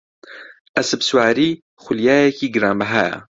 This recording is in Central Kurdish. ئەسپسواری خولیایەکی گرانبەهایە.